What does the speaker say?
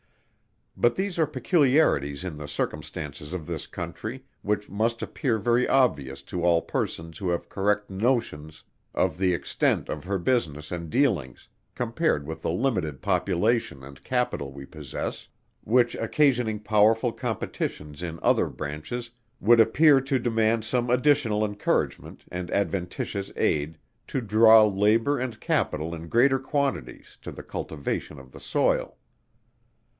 But these are peculiarities in the circumstances of this Country, which must appear very obvious to all persons who have correct notions of the extent of her business and dealings, compared with the limited Population and Capital we possess, which occasioning powerful competitions in other branches, would appear to demand some additional encouragement and adventitious aid, to draw Labour and Capital in greater quantities, to the cultivation of the Soil.